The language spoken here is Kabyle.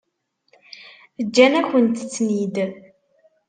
Ǧǧan-akent-ten-id.